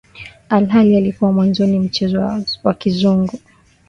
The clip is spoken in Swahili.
Ilhali ulikuwa mwanzoni mchezo wa kizungu